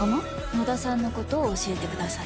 野田さんのことを教えてください。